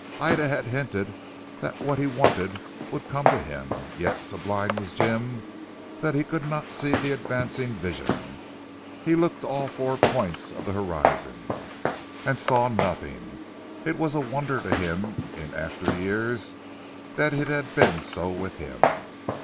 Ida had hinted that what he wanted would come to him; yet so blind was Jim, that he could not see the advancing vision. He looked to all four points of the horizon, and saw nothing. It was a wonder to him in after years that it had been so with him.